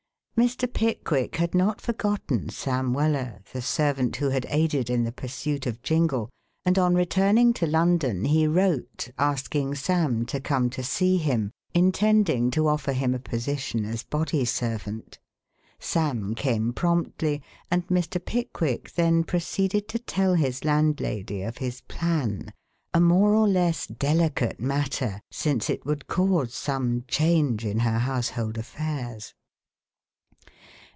Mr. Pickwick had not forgotten Sam Weller, the servant who had aided in the pursuit of Jingle, and on returning to London he wrote, asking Sam to come to see him, intending to offer him a position as body servant. Sam came promptly and Mr. Pickwick then proceeded to tell his landlady of his plan a more or less delicate matter, since it would cause some change in her household affairs.